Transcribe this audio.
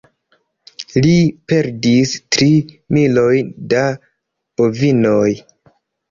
Li perdis tri milojn da bovinoj.